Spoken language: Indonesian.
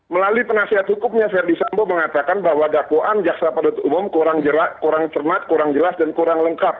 melalui penasihat hukumnya ferdisabo mengatakan bahwa daku an jaksa penutup umum kurang cermat kurang jelas dan kurang lengkap